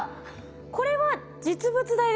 これは実物大ですか？